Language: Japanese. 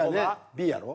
Ｂやろ？